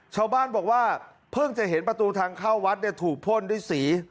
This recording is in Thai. ชาวบ้านบอกว่าเพิ่งจะเห็นประตูทางเข้าวัดถูกพ่นด้วยสี